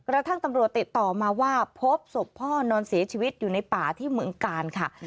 กระทั่งตำรวจติดต่อมาว่าพบศพพ่อนอนเสียชีวิตอยู่ในป่าที่เมืองกาลค่ะ